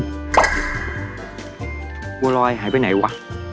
อุ้ยบัวรอยหายไปไหนวะ